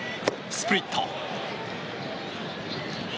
スプリット。